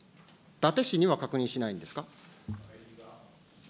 だて氏には確認しないんですか。